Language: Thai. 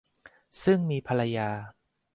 ซึ่งมีภรรยา